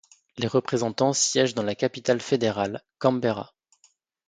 Les représentants siègent dans la capitale fédérale, Canberra.